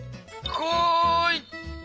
こい！